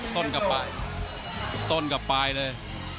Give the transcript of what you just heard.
กลับไปต้นกลับไปเลย